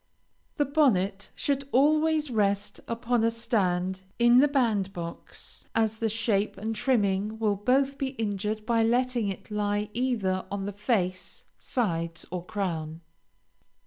The bonnet should always rest upon a stand in the band box, as the shape and trimming will both be injured by letting it lie either on the face, sides, or crown.